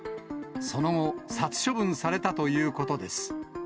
その後、殺処分されたということです。